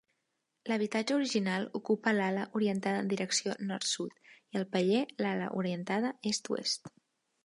L'habitatge original ocupa l'ala orientada en direcció Nord-Sud i el paller l'ala orientada Est-Oest.